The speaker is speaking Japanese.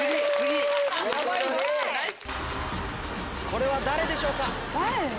これは誰でしょうか？